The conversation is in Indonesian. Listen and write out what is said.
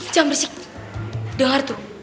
jangan berisik denger tuh